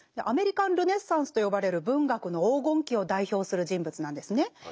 「アメリカン・ルネッサンス」と呼ばれる文学の黄金期を代表する人物なんですね。